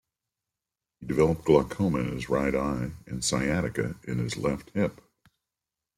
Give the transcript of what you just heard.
He developed glaucoma in his right eye, and sciatica in his left hip.